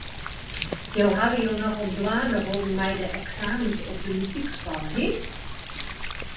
Jo hawwe jo nochal dwaande holden mei de eksamens op dy muzykskoallen, hin.